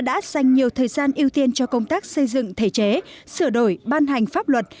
được thời gian ưu tiên cho công tác xây dựng thể chế sửa đổi ban hành pháp luật